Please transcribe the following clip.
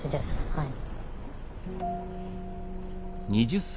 はい。